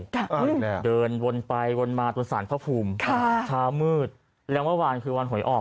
เดินวนไปวนมาตรงสารพระภูมิค่ะเช้ามืดแล้วเมื่อวานคือวันหวยออก